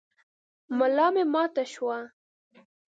ملا مي ماته شوه .